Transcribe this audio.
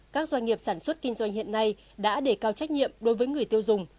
các doanh nghiệp sản xuất kinh doanh hiện nay đã đề cao trách nhiệm đối với người tiêu dùng